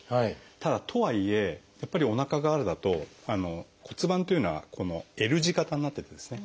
ただとはいえやっぱりおなか側からだと骨盤というのはＬ字形になってるんですね。